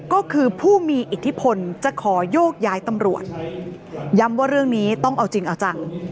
ก็คือผู้มีอิทธิพลจะขอโยกย้ายตำรวจย้ำว่าเรื่องนี้ต้องเอาจริงเอาจัง